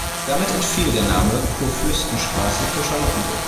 Damit entfiel der Name Kurfürstenstraße für Charlottenburg.